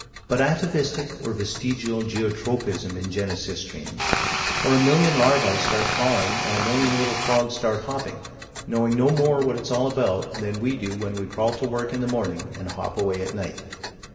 But atavistic, or vestigial, geotropism in Genesistrine or a million larvae start crawling, and a million little frogs start hopping knowing no more what it's all about than we do when we crawl to work in the morning and hop away at night.